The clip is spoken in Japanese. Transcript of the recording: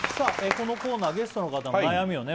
このコーナーゲストの方の悩みをね